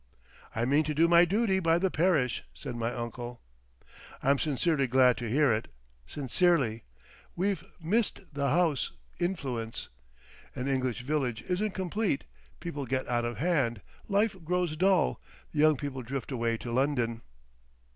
"I mean to do my duty by the Parish," said my uncle. "I'm sincerely glad to hear it—sincerely. We've missed—the house influence. An English village isn't complete—People get out of hand. Life grows dull. The young people drift away to London."